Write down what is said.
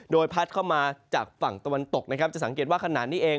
โดยพัดเข้ามาจากฝั่งตะวันตกนะครับจะสังเกตว่าขณะนี้เอง